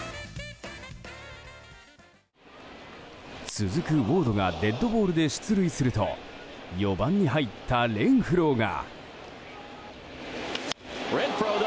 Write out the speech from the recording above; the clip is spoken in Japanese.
続くウォードがデッドボールで出塁すると４番に入ったレンフローが。